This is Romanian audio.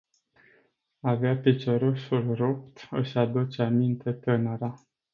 Avea piciorușul rupt, își aduce aminte tânăra.